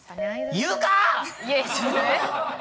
言うかぁ！！